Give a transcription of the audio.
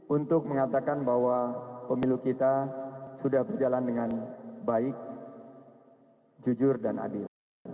untuk mengatakan bahwa pemilu kita sudah berjalan dengan baik jujur dan adil